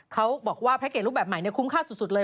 เขาบอกว่าแพ็คเกจรูปแบบใหม่คุ้มค่าสุดเลย